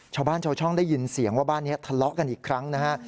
ชาวบ้านชาวช่องได้ยินเสียงว่าบ้านนี้ทะเลาะกันอีกครั้งนะฮะ